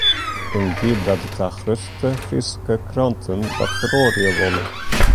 Ik bin bliid dat de twa grutste Fryske kranten dat feroarje wolle.